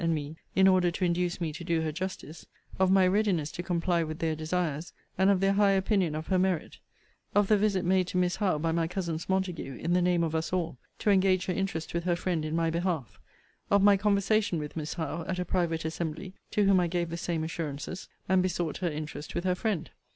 and me, in order to induce me to do her justice: of my readiness to comply with their desires; and of their high opinion of her merit: of the visit made to Miss Howe by my cousins Montague, in the name of us all, to engage her interest with her friend in my behalf: of my conversation with Miss Howe, at a private assembly, to whom I gave the same assurances, and besought her interest with her friend.'